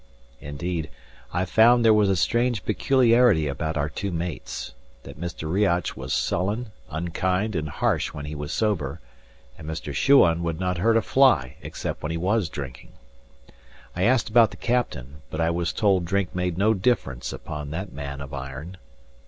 Indeed, I found there was a strange peculiarity about our two mates: that Mr. Riach was sullen, unkind, and harsh when he was sober, and Mr. Shuan would not hurt a fly except when he was drinking. I asked about the captain; but I was told drink made no difference upon that man of iron.